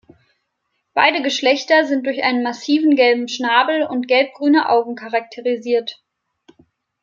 Beide Geschlechter sind durch einen massiven gelben Schnabel und gelbgrüne Augen charakterisiert.